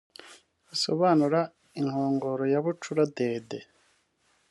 risobanura inkongoro ya bucura “Dede”